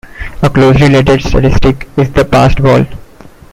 A closely related statistic is the passed ball.